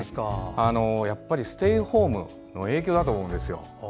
やっぱりステイホームの影響だと思うんですよ。